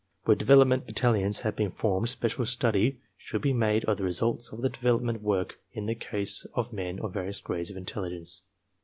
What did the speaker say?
Where de velopment battalions have been formed special study should be made of the results of the development work in the case of men of various grades of intelligence.